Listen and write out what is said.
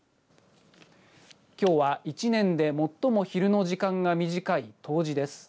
きょうは１年で最も昼の時間が短い冬至です。